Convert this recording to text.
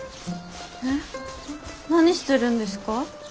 えっ何してるんですか？